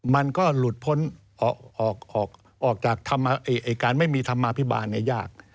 มันก็หลุดพ้นออกจากการไม่มีธรรมาภิบาลยาก